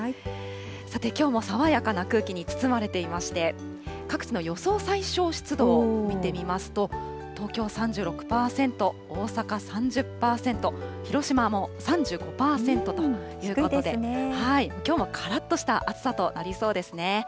さて、きょうも爽やかな空気に包まれていまして、各地の予想最小湿度を見てみますと、東京は３６％、大阪３０％、広島も３５％ということで、きょうもからっとした暑さとなりそうですね。